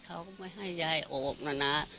เขาก็ไม่ให้ยายออกนะนะ